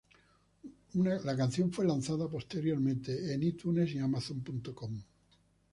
La canción fue lanzada posteriormente en iTunes y Amazon.com.